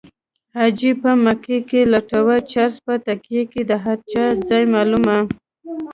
حاجي په مکه کې لټوه چرسي په تکیه کې د هر چا ځای معلوموي